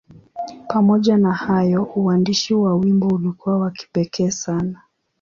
Pamoja na hayo, uandishi wa wimbo ulikuwa wa kipekee sana.